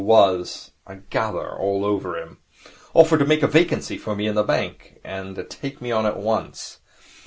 was, I gather, all over him. Offered to make a vacancy for me in the bank, and to take me on at once.